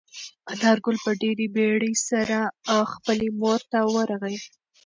انارګل په ډېرې بیړې سره خپلې مور ته ورغی.